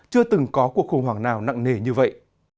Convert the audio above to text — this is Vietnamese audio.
chưa từng có cuộc khủng hoảng nào nặng nề như vậy